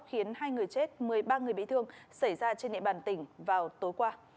khiến hai người chết một mươi ba người bị thương xảy ra trên địa bàn tỉnh vào tối qua